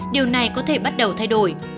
điều này có thể bắt đầu thay đổi